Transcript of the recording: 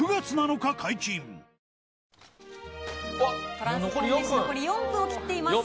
トランスフォーム飯残り４分を切っております。